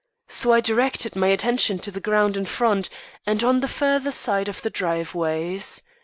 So I directed my attention to the ground in front, and on the further side of the driveways.